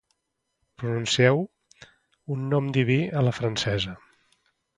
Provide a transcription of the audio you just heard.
Pronuncieu un nom diví a la francesa.